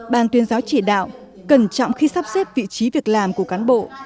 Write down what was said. ban tuyên giáo chỉ đạo cẩn trọng khi sắp xếp vị trí việc làm của cán bộ